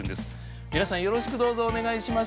皆さんよろしくどうぞお願いします。